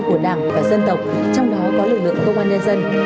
của đảng và dân tộc trong đó có lực lượng công an nhân dân